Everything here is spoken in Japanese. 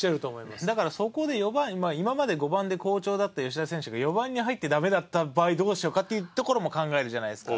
だからそこで４番今まで５番で好調だった吉田選手が４番に入ってダメだった場合どうしようかっていうところも考えるじゃないですか。